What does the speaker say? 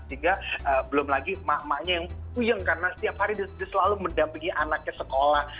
sehingga belum lagi emak emaknya yang puyeng karena setiap hari dia selalu mendampingi anaknya sekolah